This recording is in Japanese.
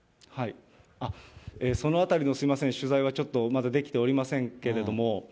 そのあたりの、すみません、取材はちょっと、まだできておりませんけれども。